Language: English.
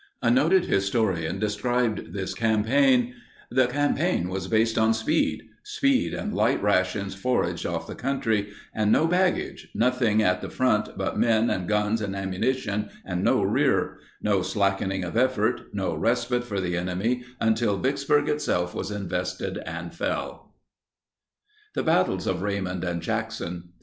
] A noted historian described this campaign: "The campaign was based on speed—speed, and light rations foraged off the country, and no baggage, nothing at the front but men and guns and ammunition, and no rear; no slackening of effort, no respite for the enemy until Vicksburg itself was invested and fell." THE BATTLES OF RAYMOND AND JACKSON.